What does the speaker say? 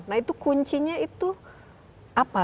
nah itu kuncinya itu apa